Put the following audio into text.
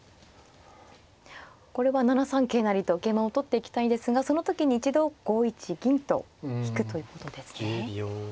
これは７三桂成と桂馬を取っていきたいんですがその時に一度５一銀と引くということですね。